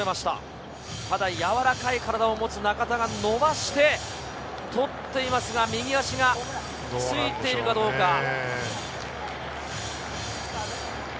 ただやわらかい体を持つ中田が伸ばして捕っていますが、右足がついているかどうか。